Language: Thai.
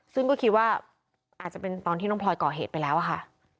ซึ่งก็คิดว่าอาจจะเป็นตอนที่น้องพลอยก่อเหตุไปแล้วอะค่ะ